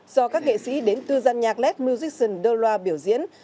do các nghệ sĩ đến tư gian nhạc led musician deloitte biểu diễn